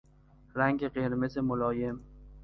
رنگ قرمز ملایم